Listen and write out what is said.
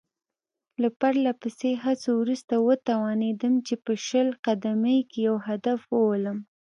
له پرله پسې هڅو وروسته وتوانېدم چې په شل قدمۍ کې یو هدف وولم.